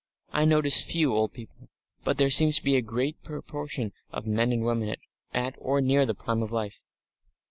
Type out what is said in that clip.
I notice few old people, but there seems to be a greater proportion of men and women at or near the prime of life.